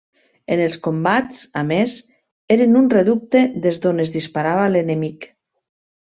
En els combats, a més, eren un reducte des d'on es disparava a l'enemic.